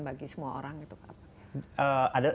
bagi semua orang itu apa ada